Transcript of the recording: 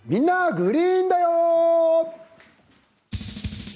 グリーンだよ」。